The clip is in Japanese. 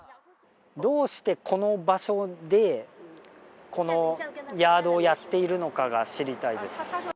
どうしてこの場所で、このヤードをやっているのかが知りたいです。